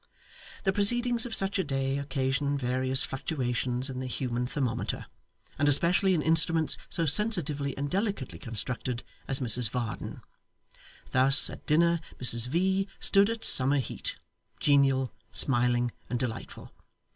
The proceedings of such a day occasion various fluctuations in the human thermometer, and especially in instruments so sensitively and delicately constructed as Mrs Varden. Thus, at dinner Mrs V. stood at summer heat; genial, smiling, and delightful.